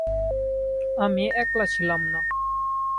আমি একলা ছিলাম না।